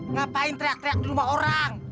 ngapain teriak teriak di rumah orang